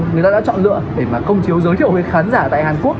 người ta đã chọn lựa để mà công chiếu giới thiệu với khán giả tại hàn quốc